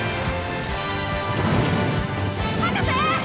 博士！